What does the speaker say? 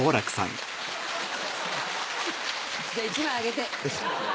じゃあ１枚あげて。